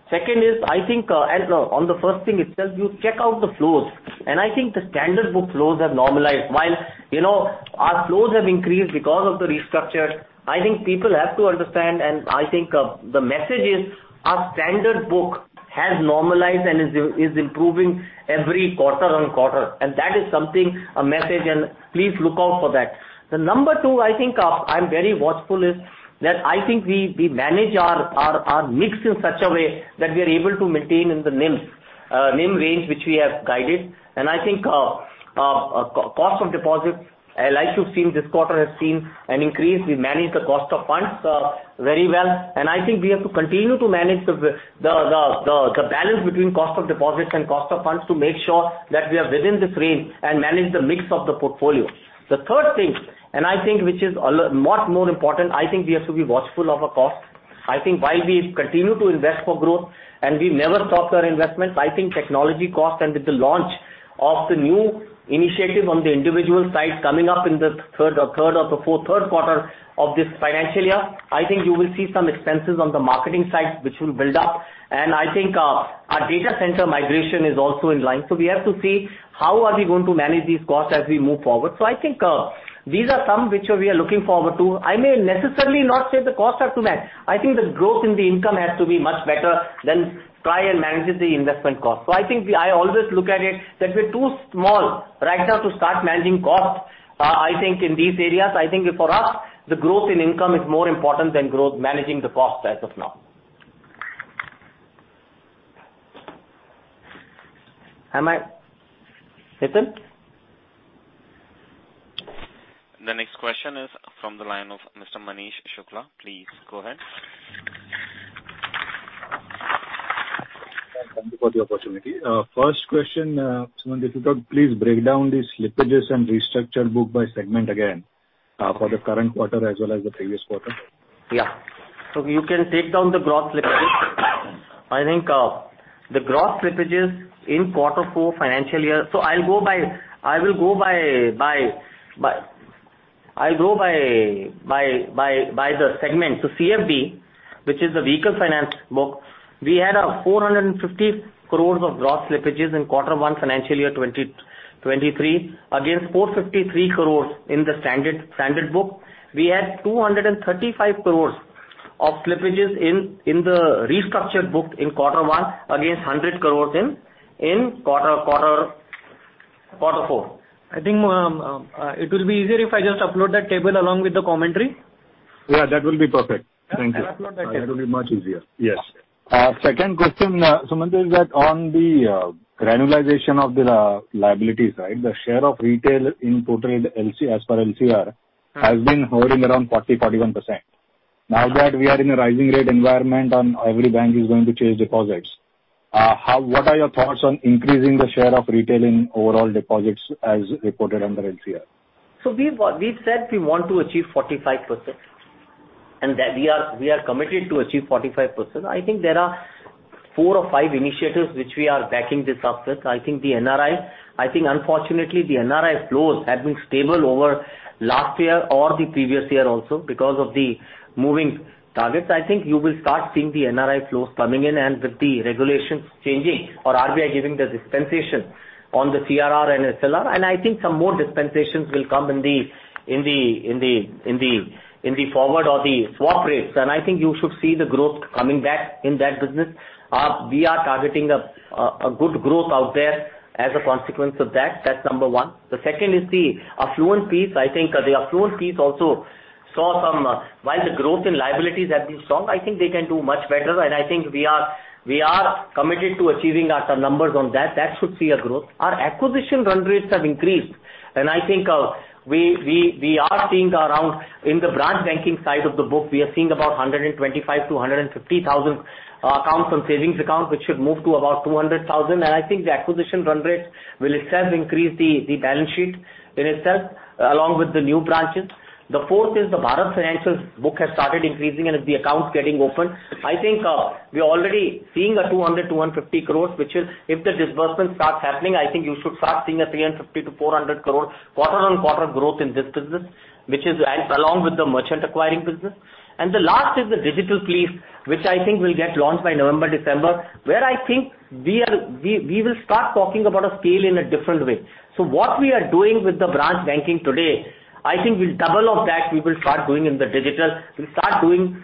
Speaker 2: Second is, I think, as on the first thing itself, you check out the flows, and I think the standard book flows have normalized. While, you know, our flows have increased because of the restructure, I think people have to understand, and I think the message is our standard book has normalized and is improving every quarter-over-quarter. That is something, a message, and please look out for that. The number two, I think, I'm very watchful is that I think we manage our mix in such a way that we are able to maintain in the NIMs, NIM range, which we have guided. I think cost of deposits, like you've seen this quarter, has seen an increase. We manage the cost of funds very well. I think we have to continue to manage the balance between cost of deposits and cost of funds to make sure that we are within this range and manage the mix of the portfolio. The third thing, and I think which is a lot more important, I think we have to be watchful of our cost. I think while we continue to invest for growth and we never stop our investments, I think technology cost and with the launch of the new initiative on the individual side coming up in the third or the fourth quarter of this financial year, I think you will see some expenses on the marketing side which will build up. I think our data center migration is also in line. We have to see how are we going to manage these costs as we move forward. I think these are some which we are looking forward to. I may necessarily not say the costs are too much. I think the growth in the income has to be much better than try and manage the investment cost. I think I always look at it that we're too small right now to start managing costs, I think in these areas. I think for us, the growth in income is more important than growth managing the cost as of now. Am I right, Nitin?
Speaker 1: The next question is from the line of Mr. Manish Shukla. Please go ahead.
Speaker 8: Thank you for the opportunity. First question, Sumant, if you could please break down these slippages and restructure book by segment again, for the current quarter as well as the previous quarter.
Speaker 2: Yeah. You can take down the gross slippage. I think the gross slippages in quarter four financial year. I'll go by the segment. CFD, which is the vehicle finance book, we had a 450 crores of gross slippages in quarter one financial year 2023, against 453 crores in the standard book. We had 235 crores of slippages in the restructured book in quarter one against 100 crores in quarter four. I think, it will be easier if I just upload that table along with the commentary.
Speaker 8: Yeah, that will be perfect. Thank you.
Speaker 2: I'll upload that table.
Speaker 8: That will be much easier. Yes. Second question, Sumant, is that on the granularization of the liabilities, right? The share of retail in total liabilities as per LCR has been hovering around 40%-41%. Now that we are in a rising rate environment and every bank is going to chase deposits, what are your thoughts on increasing the share of retail in overall deposits as reported under LCR?
Speaker 2: We've said we want to achieve 45%, and that we are committed to achieve 45%. I think there are four or five initiatives which we are backing this up with. I think the NRI. I think unfortunately the NRI flows have been stable over last year or the previous year also because of the moving targets. I think you will start seeing the NRI flows coming in and with the regulations changing or RBI giving the dispensation on the CRR and SLR. I think some more dispensations will come in the forward or the swap rates. I think you should see the growth coming back in that business. We are targeting a good growth out there as a consequence of that. That's number one. The second is the affluent piece. I think the affluent piece also saw some. While the growth in liabilities have been strong, I think they can do much better, and I think we are committed to achieving our numbers on that. That should see a growth. Our acquisition run rates have increased, and I think we are seeing around, in the branch banking side of the book, we are seeing about 125,000-150,000 accounts on savings accounts, which should move to about 200,000. I think the acquisition run rates will itself increase the balance sheet in itself, along with the new branches. The fourth is the Bharat Financials book has started increasing and the accounts getting opened. I think we are already seeing 200 crore-250 crore, which is if the disbursement starts happening, I think you should start seeing 350 crore-400 crore quarter-on-quarter growth in this business, which is, and along with the merchant acquiring business. The last is the digital piece, which I think will get launched by November, December. I think we will start talking about a scale in a different way. What we are doing with the branch banking today, I think with double of that we will start doing in the digital. We'll start doing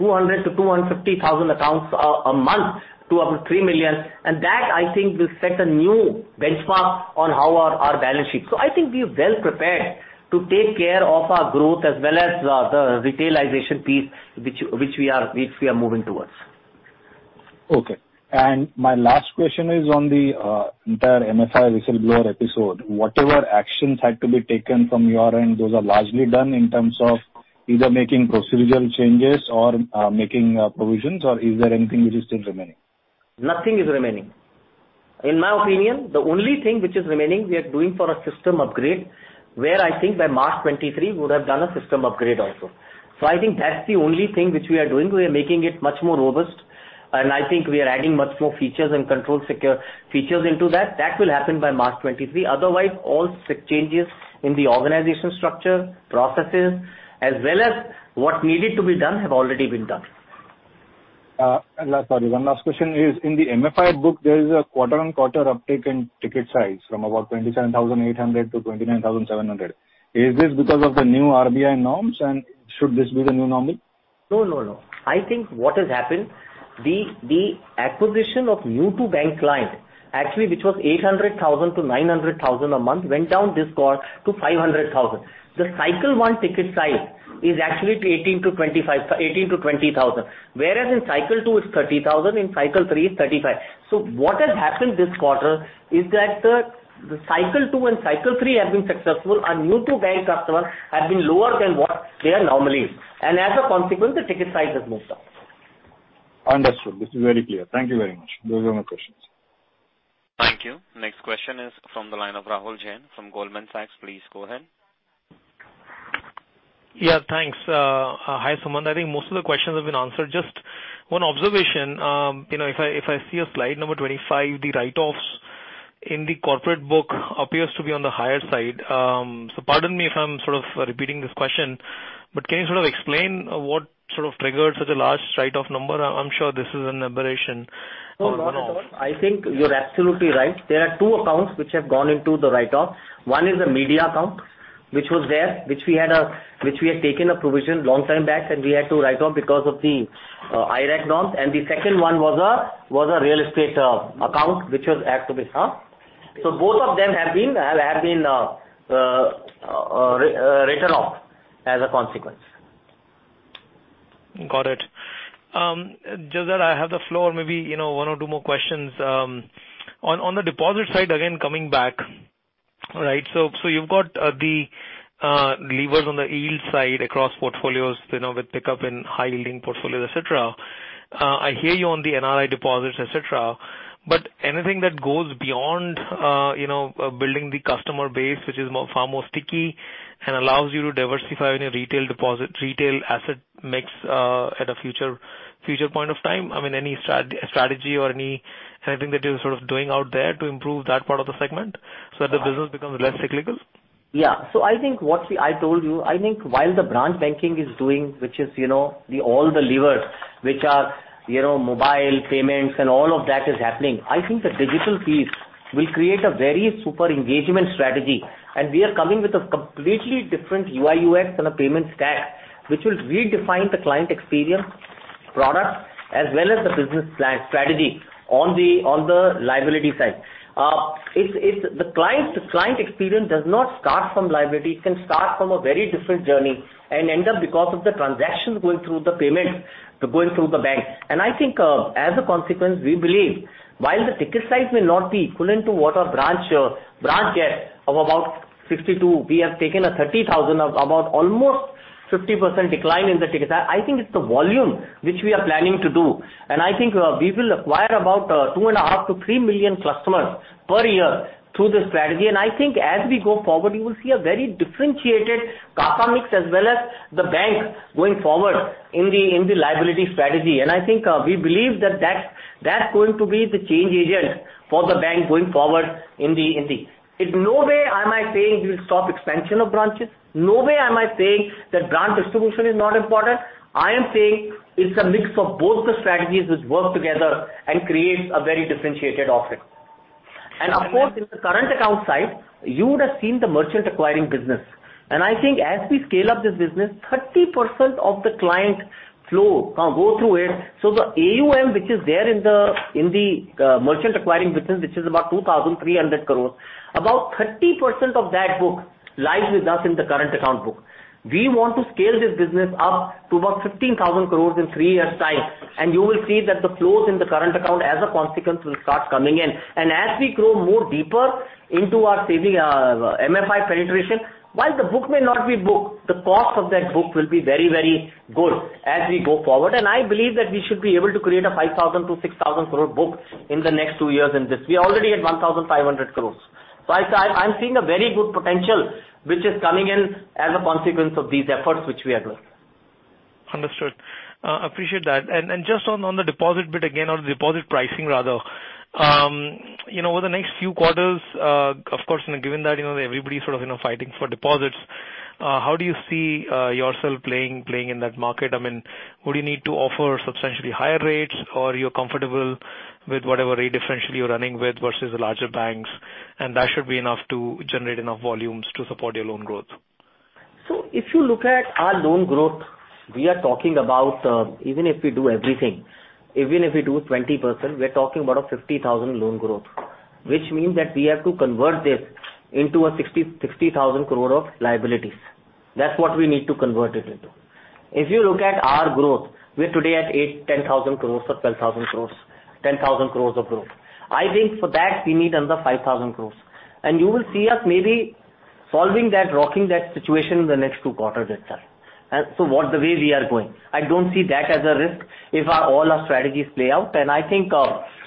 Speaker 2: 200,000-250,000 accounts a month to up to three million. That I think will set a new benchmark on how our balance sheet. I think we are well prepared to take care of our growth as well as the retailization piece which we are moving towards.
Speaker 8: Okay. My last question is on the entire MFI whistleblower episode. Whatever actions had to be taken from your end, those are largely done in terms of either making procedural changes or making provisions, or is there anything which is still remaining?
Speaker 2: Nothing is remaining. In my opinion, the only thing which is remaining, we are doing for a system upgrade, where I think by March 2023 we would have done a system upgrade also. I think that's the only thing which we are doing. We are making it much more robust, and I think we are adding much more features and control secure features into that. That will happen by March 2023. Otherwise, all changes in the organizational structure, processes, as well as what needed to be done have already been done.
Speaker 8: One last question is, in the MFI book, there is a quarter-on-quarter uptick in ticket size from about 27,800-29,700. Is this because of the new RBI norms and should this be the new normal?
Speaker 2: No, no. I think what has happened, the acquisition of new to bank client, actually, which was 800,000 to 900,000 a month, went down this quarter to 500,000. The cycle one ticket size is actually 18,000 to 20,000, whereas in cycle two it's 30,000, in cycle three it's 35,000. What has happened this quarter is that the cycle two and cycle three have been successful. Our new to bank customers have been lower than what they are normally is, and as a consequence the ticket size has moved up.
Speaker 8: Understood. This is very clear. Thank you very much. Those are my questions.
Speaker 1: Thank you. Next question is from the line of Rahul Jain from Goldman Sachs. Please go ahead.
Speaker 9: Yeah, thanks. Hi, Sumant. I think most of the questions have been answered. Just one observation. You know, if I see your slide number 25, the write-offs in the corporate book appears to be on the higher side. Pardon me if I'm sort of repeating this question, but can you sort of explain what sort of triggered such a large write-off number? I'm sure this is an aberration or more.
Speaker 2: No, not at all. I think you're absolutely right. There are two accounts which have gone into the write-off. One is a media account, which was there, which we had taken a provision long time back, and we had to write off because of the IRAC norms. The second one was a real estate account which was act to be.
Speaker 9: Okay.
Speaker 2: Both of them have been written off as a consequence.
Speaker 9: Got it. Just that I have the floor, maybe, you know, one or two more questions. On the deposit side, again coming back. All right, so you've got the levers on the yield side across portfolios, you know, with pickup in high-yielding portfolios, et cetera. I hear you on the NRI deposits, et cetera. But anything that goes beyond, you know, building the customer base, which is more far more sticky and allows you to diversify in a retail deposit, retail asset mix, at a future point of time, I mean, any strategy or any that you're sort of doing out there to improve that part of the segment so that the business becomes less cyclical?
Speaker 2: Yeah. I think what I told you, I think while the branch banking is doing, which is, you know, all the levers which are, you know, mobile payments and all of that is happening, I think the digital piece will create a very super engagement strategy. We are coming with a completely different UI/UX and a payment stack, which will redefine the client experience product as well as the business plan strategy on the liability side. It's the client experience does not start from liability. It can start from a very different journey and end up because of the transaction going through the payment, going through the bank. I think as a consequence, we believe while the ticket size may not be equivalent to what our branch gets of about 62,000, we have taken a 30,000 of about almost 50% decline in the tickets. I think it's the volume which we are planning to do, and I think we will acquire about 2.5 to three million customers per year through this strategy. I think as we go forward, you will see a very differentiated CASA mix as well as the bank going forward in the liability strategy. I think we believe that that's going to be the change agent for the bank going forward in the. In no way am I saying we will stop expansion of branches. No way am I saying that branch distribution is not important. I am saying it's a mix of both the strategies which work together and creates a very differentiated offering. Of course, in the current account side, you would have seen the merchant acquiring business. I think as we scale up this business, 30% of the client flow can go through it. The AUM which is there in the merchant acquiring business, which is about 2,300 crores, about 30% of that book lies with us in the current account book. We want to scale this business up to about 15,000 crores in three years' time, and you will see that the flows in the current account as a consequence will start coming in. As we grow more deeper into our CV MFI penetration, while the book may not be booked, the cost of that book will be very, very good as we go forward. I believe that we should be able to create a 5,000 crore-6,000 crore book in the next two years in this. We are already at 1,500 crores. I'm seeing a very good potential which is coming in as a consequence of these efforts which we address.
Speaker 9: Understood. Appreciate that. Just on the deposit bit again or the deposit pricing rather, you know, over the next few quarters, of course, given that, you know, everybody's sort of, you know, fighting for deposits, how do you see yourself playing in that market? I mean, would you need to offer substantially higher rates or you're comfortable with whatever rate differential you're running with versus the larger banks, and that should be enough to generate enough volumes to support your loan growth?
Speaker 2: If you look at our loan growth, we are talking about, even if we do everything, even if we do 20%, we are talking about a 50,000 crore loan growth, which means that we have to convert this into a 60,000 crore of liabilities. That's what we need to convert it into. If you look at our growth, we are today at 8,000-10,000 crores or 12,000 crores, 10,000 crores of growth. I think for that we need another 5,000 crores. You will see us maybe solving that, rocking that situation in the next two quarters itself. What the way we are going, I don't see that as a risk if all our strategies play out, and I think,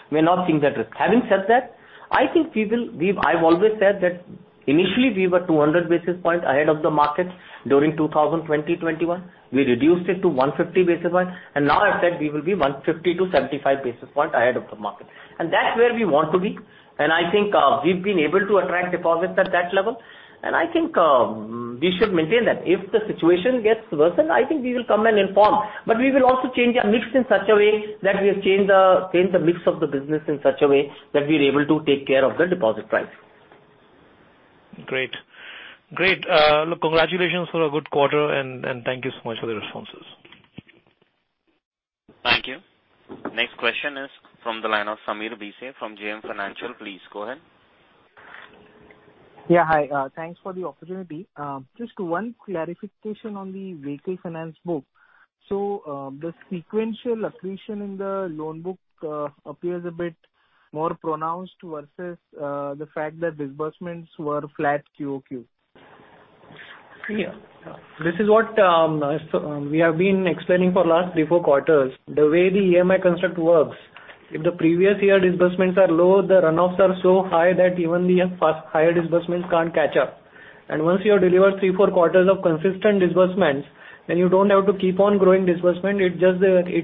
Speaker 2: we're not seeing that risk. Having said that, I think we will. I've always said that initially we were 200 basis points ahead of the market during 2020, 2021. We reduced it to 150 basis points, and now I've said we will be 150-75 basis points ahead of the market. That's where we want to be. I think we've been able to attract deposits at that level. I think we should maintain that. If the situation gets worsened, I think we will come and inform. We will also change our mix in such a way that we have changed the mix of the business in such a way that we are able to take care of the deposit price.
Speaker 9: Great. Look, congratulations for a good quarter and thank you so much for the responses.
Speaker 1: Thank you. Next question is from the line of Sameer Bhise from JM Financial. Please go ahead.
Speaker 10: Yeah. Hi, thanks for the opportunity. Just one clarification on the vehicle finance book. The sequential accretion in the loan book appears a bit more pronounced versus the fact that disbursements were flat QoQ.
Speaker 2: Yeah. This is what we have been explaining for last three to four quarters. The way the EMI construct works, if the previous year disbursements are low, the runoffs are so high that even the higher disbursements can't catch up. Once you have delivered three to four quarters of consistent disbursements, then you don't have to keep on growing disbursement. It just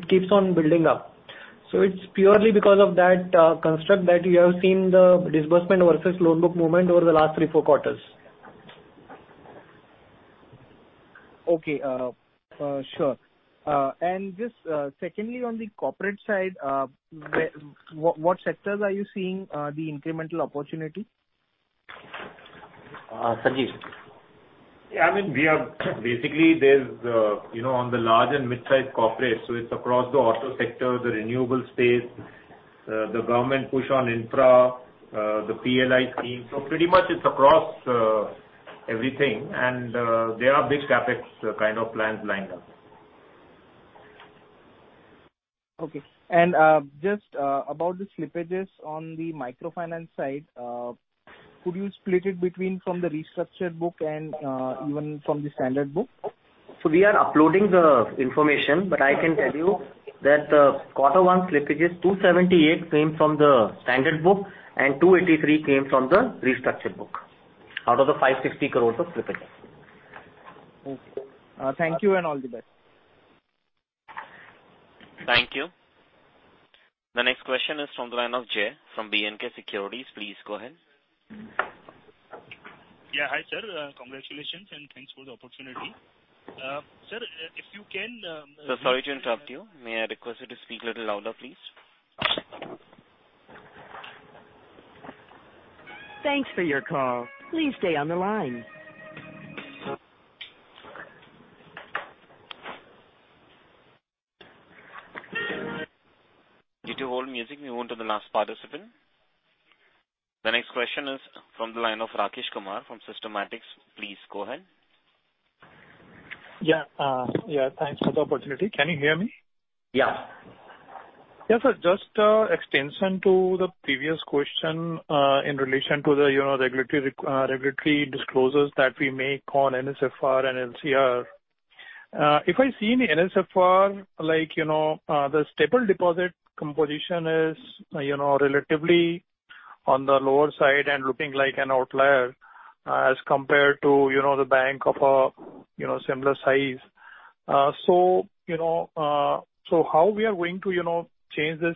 Speaker 2: keeps on building up. It's purely because of that construct that you have seen the disbursement versus loan book movement over the last three to four quarters.
Speaker 10: Okay. Sure. Just, secondly, on the corporate side, what sectors are you seeing the incremental opportunity?
Speaker 2: Sanjeev.
Speaker 11: I mean, there's you know, on the large and midsize corporates, so it's across the auto sector, the renewable space, the government push on infra, the PLI scheme. Pretty much it's across everything. There are big CapEx kind of plans lined up.
Speaker 10: Just about the slippages on the microfinance side, could you split it between from the restructured book and even from the standard book?
Speaker 2: We are uploading the information, but I can tell you that quarter one slippages, 278 crore came from the standard book and 283 crore came from the restructured book out of the 560 crores of slippage.
Speaker 10: Okay. Thank you and all the best.
Speaker 1: Thank you. The next question is from the line of Jay from B&K Securities. Please go ahead.
Speaker 12: Yeah. Hi, sir. Congratulations and thanks for the opportunity. Sir, if you can-
Speaker 1: Sir, sorry to interrupt you. May I request you to speak little louder, please? Thanks for your call. Please stay on the line. Due to hold music, we move on to the last participant. The next question is from the line of Rakesh Kumar from Systematix. Please go ahead.
Speaker 13: Yeah. Yeah, thanks for the opportunity. Can you hear me?
Speaker 2: Yeah.
Speaker 13: Yeah. Just extension to the previous question, in relation to the, you know, regulatory disclosures that we make on NSFR and LCR. If I see in the NSFR, like, you know, the stable deposit composition is, you know, relatively on the lower side and looking like an outlier, as compared to, you know, the bank of a, you know, similar size. How we are going to, you know, change this,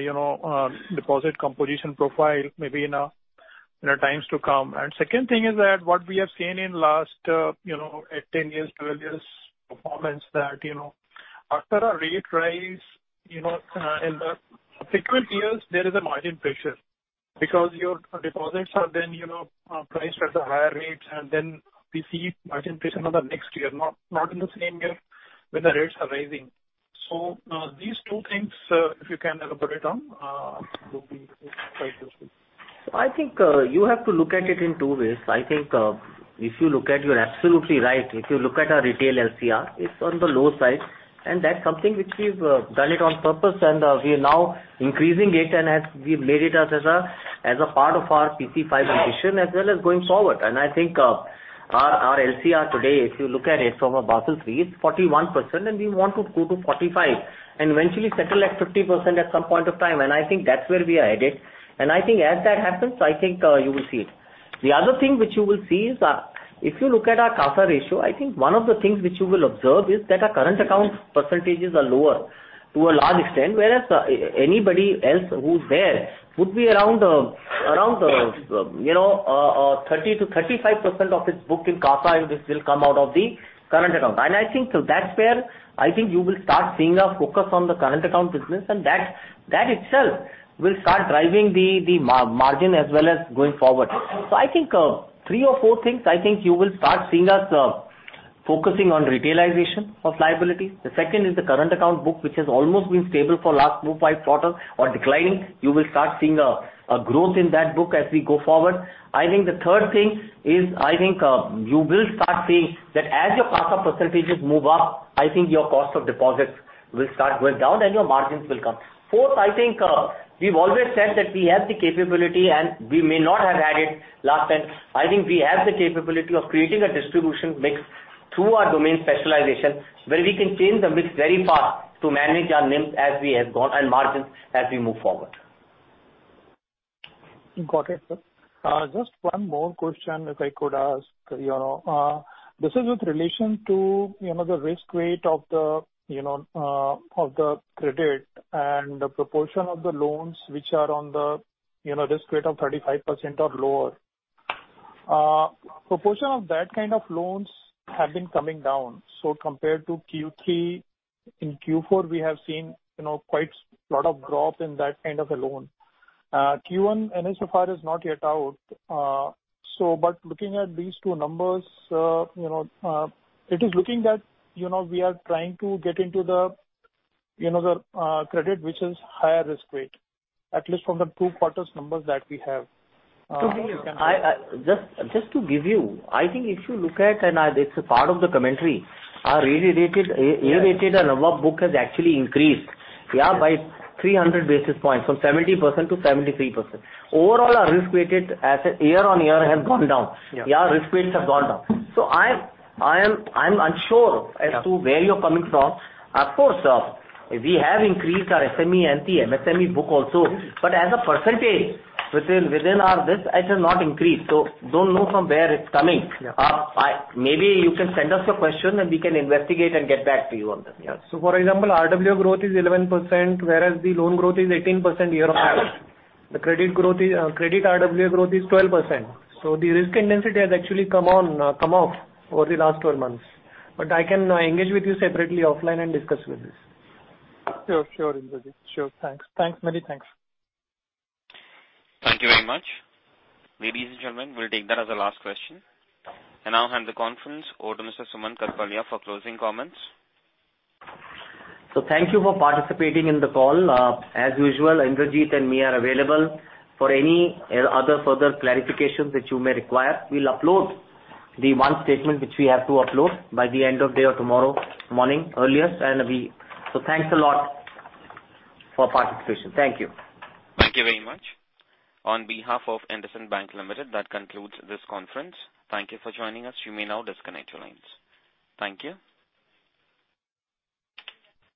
Speaker 13: you know, deposit composition profile maybe in times to come? Second thing is that what we have seen in last, you know, eight, 10 years, 12 years performance that, you know, after a rate rise, you know, in the frequent years there is a margin pressure because your deposits are then, you know, priced at the higher rates, and then we see margin pressure in the next year, not in the same year when the rates are rising. These two things, if you can elaborate on, would be quite useful.
Speaker 2: I think you have to look at it in two ways. I think if you look at it, you're absolutely right. If you look at our retail LCR, it's on the low side, and that's something which we've done it on purpose and we are now increasing it and as we've made it as a part of our PC-5 addition as well as going forward. I think our LCR today, if you look at it from a Basel III, it's 41% and we want to go to 45% and eventually settle at 50% at some point of time. I think that's where we are headed. I think as that happens, I think you will see it. The other thing which you will see is, if you look at our CASA ratio, I think one of the things which you will observe is that our current account percentages are lower to a large extent, whereas anybody else who's there would be around you know 30%-35% of its book in CASA, and this will come out of the current account. I think so that's where I think you will start seeing a focus on the current account business, and that itself will start driving the margin as well as going forward. I think three or four things, I think you will start seeing us focusing on retailization of liability. The second is the current account book, which has almost been stable for last four, five quarters or declining. You will start seeing a growth in that book as we go forward. I think the third thing is you will start seeing that as your CASA percentages move up. I think your cost of deposits will start going down and your margins will come. Fourth, I think we've always said that we have the capability and we may not have had it last time. I think we have the capability of creating a distribution mix through our domain specialization, where we can change the mix very fast to manage our NIMs as we have gone and margins as we move forward.
Speaker 13: Got it, sir. Just one more question, if I could ask. You know, this is with relation to, you know, the risk weight of the, you know, of the credit and the proportion of the loans which are on the, you know, risk weight of 35% or lower. Proportion of that kind of loans have been coming down. Compared to Q3, in Q4 we have seen, you know, quite lot of drop in that kind of a loan. Q1 NSFR is not yet out. Looking at these two numbers, you know, it is looking that, you know, we are trying to get into the, you know, the, credit, which is higher risk weight, at least from the two quarters numbers that we have.
Speaker 2: Just to give you, I think if you look at, this is part of the commentary. Our AAA rated, AA rated and above book has actually increased, yeah, by 300 basis points from 70% to 73%. Overall, our risk rated book year-on-year has gone down.
Speaker 13: Yeah.
Speaker 2: Our risk rates have gone down. I'm unsure as to where you're coming from. Of course, we have increased our SME and the MSME book also, but as a percentage within our risk, it has not increased. Don't know from where it's coming.
Speaker 13: Yeah.
Speaker 2: Maybe you can send us your question and we can investigate and get back to you on that, yeah.
Speaker 13: For example, RWA growth is 11%, whereas the loan growth is 18% year-on-year. The credit growth is credit RWA growth is 12%. The risk intensity has actually come up over the last 12 months. I can engage with you separately offline and discuss with this. Sure, Indrajit. Sure. Thanks. Many thanks.
Speaker 1: Thank you very much. Ladies and gentlemen, we'll take that as the last question. I now hand the conference over to Mr. Sumant Kathpalia for closing comments.
Speaker 2: Thank you for participating in the call. As usual, Indrajit and me are available for any other further clarifications that you may require. We'll upload the one statement which we have to upload by the end of day or tomorrow morning earliest. Thanks a lot for participation. Thank you.
Speaker 1: Thank you very much. On behalf of IndusInd Bank Limited, that concludes this conference. Thank you for joining us. You may now disconnect your lines. Thank you.